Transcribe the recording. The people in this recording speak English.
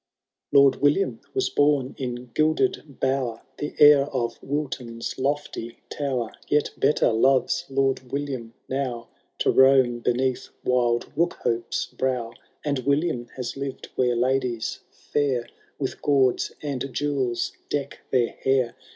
VI. " Lord William was bom in gilded bower. The heir of Wilton's lofty tower ; Yet better loves Lord William now To roam beneath wild Eookhope's brow ; And William has lived where ladies lair With gawds and jewels deck their hair.